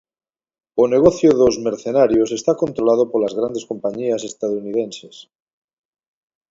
O negocio dos mercenarios está controlado polas grandes compañías estadounidenses.